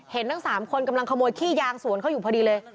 ทั้ง๓คนกำลังขโมยขี้ยางสวนเขาอยู่พอดีเลย